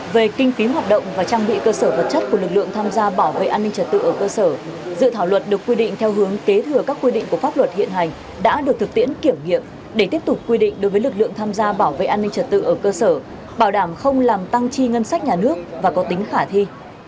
về kinh phí hoạt động và trang bị cơ sở vật chất của lực lượng tham gia bảo vệ an ninh trật tự ở cơ sở dự thảo luật được quy định theo hướng kế thừa các quy định của pháp luật hiện hành đã được thực tiễn kiểm nghiệm để tiếp tục quy định đối với lực lượng tham gia bảo vệ an ninh trật tự ở cơ sở bảo đảm không làm tăng chi ngân sách nhà nước và có tính khả thi